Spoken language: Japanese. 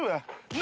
何？